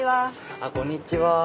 あこんにちは。